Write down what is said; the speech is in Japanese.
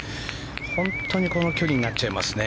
本当にこの距離になっちゃいますね。